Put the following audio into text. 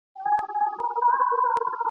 دربار به نه وای په حجرو کي !.